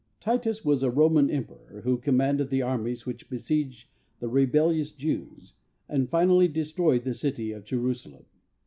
Titus was a Roman emperor, who commanded the armies which besieged the rebellious Jew's, and finally destroyed the city of Jerusalem.